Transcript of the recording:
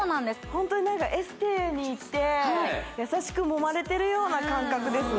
ホントに何かエステに行って優しくもまれてるような感覚ですね